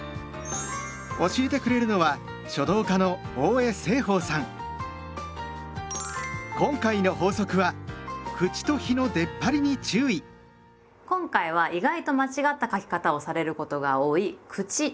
教えてくれるのは今回の法則は今回は意外と間違った書き方をされることが多い「口」という字です。